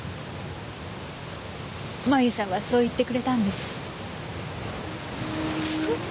麻由さんはそう言ってくれたんです。